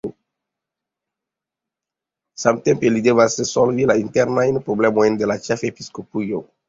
Samtempe li devis solvi la internajn problemojn de la ĉefepiskopujo.